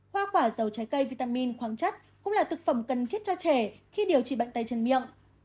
hoa quả dầu trái cây vitamin khoáng chất cũng là thực phẩm cần thiết cho trẻ khi điều trị bệnh tay chân miệng